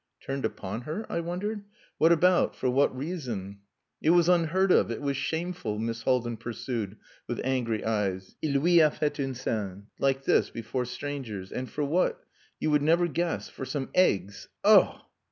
"Turned upon her?" I wondered. "What about? For what reason?" "It was unheard of; it was shameful," Miss Haldin pursued, with angry eyes. "Il lui a fait une scene like this, before strangers. And for what? You would never guess. For some eggs.... Oh!"